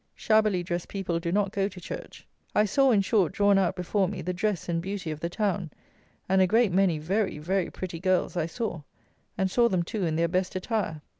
Shabbily dressed people do not go to church. I saw, in short, drawn out before me, the dress and beauty of the town; and a great many very, very pretty girls I saw; and saw them, too, in their best attire.